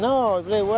dia main dengan baik